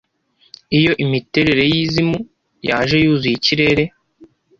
iyo imiterere yizimu yaje yuzuye ikirere,